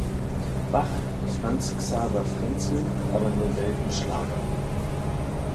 Bach, Franz Xaver Frenzel, aber nur selten Schlager.